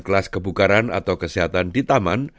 kelas kebukaran atau kesehatan di taman